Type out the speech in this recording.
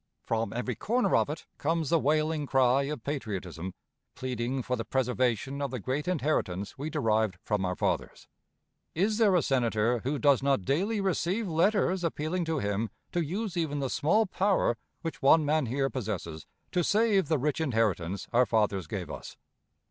From every corner of it comes the wailing cry of patriotism, pleading for the preservation of the great inheritance we derived from our fathers. Is there a Senator who does not daily receive letters appealing to him to use even the small power which one man here possesses to save the rich inheritance our fathers gave us?